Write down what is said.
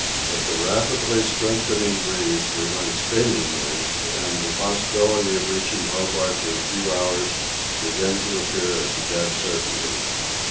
With the rapidly strengthening breeze we went spinningly, and the possibility of reaching Hobart in a few hours began to appear as a dead certainty.